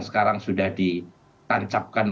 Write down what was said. sekarang sudah ditancapkan